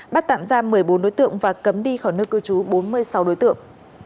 bắt tạm ra một mươi bốn đối tượng và cấm đi khỏi nơi cư trú bốn mươi sáu đối tượng